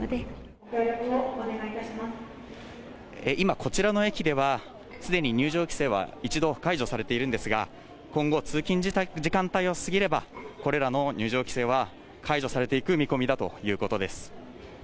こちらの駅では、すでに入場規制は一度解除されているんですが、今後、通勤時間帯が過ぎれば、これらの入場規制は解除されていく見込みだということです。